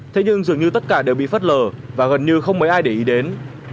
thế nhưng dường như tất cả đều bị phất lờ và gần như không mấy ai để ý đến